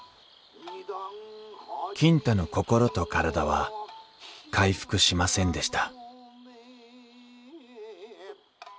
金太の心と体は回復しませんでした